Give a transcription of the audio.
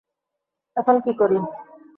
এখন কী করি?